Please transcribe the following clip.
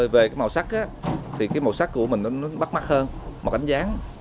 về màu sắc thì màu sắc của mình nó mắc mắc hơn màu cánh dáng